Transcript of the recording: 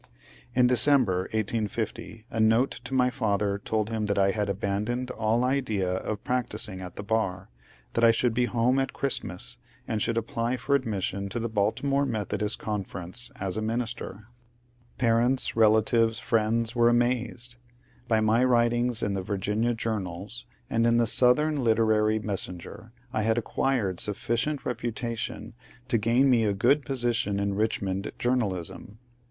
In December, 1850, a note to my father told him that I had abandoned all idea of practising at the bar, that I should be home at Christmas, and should apply for admission to the Baltimore Methodist Conference as a minister. Par A MORAL CRISIS 91 ents, relatives, friends, were amazed. By my writings in the Virginia journals and in the "Southern Literary Messen ger," I had acquired sufficient reputation to gain me a good position in Richmond journalism.